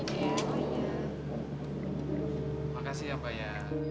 terima kasih ya pak ya